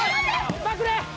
まくれ！